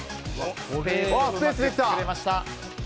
スペース作りました。